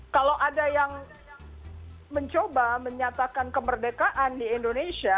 kalau ada yang mencoba menyatakan kemerdekaan di indonesia